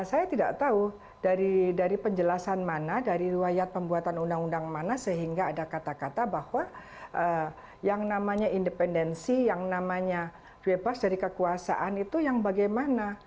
saya tidak tahu dari penjelasan mana dari riwayat pembuatan undang undang mana sehingga ada kata kata bahwa yang namanya independensi yang namanya bebas dari kekuasaan itu yang bagaimana